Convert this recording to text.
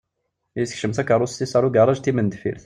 Isekcem takeṛṛust-is ar ugaṛaj d timendeffirt.